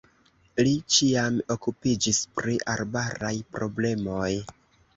Li ĉiam okupiĝis pri arbaraj problemoj.